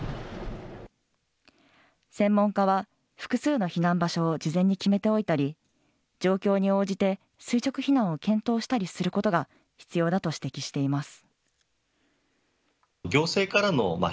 専門家は、複数の避難場所を事前に決めておいたり、状況に応じて垂直避難を検討したりすることが必要だと指摘しています。